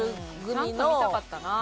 ちゃんと見たかったな。